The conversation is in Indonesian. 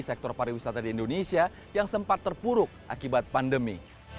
sektor pariwisata di indonesia yang sempat terpuruk akibat pandemi